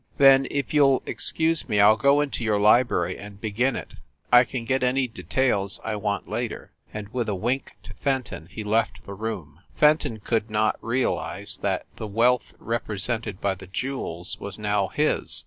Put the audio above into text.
"Then, if you ll excuse me, I ll go into your li brary and begin it. I can get any details I want later," and with a wink to Fenton he left the room. Fenton could not realize that the wealth repre sented by the jewels was now his.